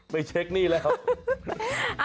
ไปเช็คหนี้แล้วครับ